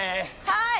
はい！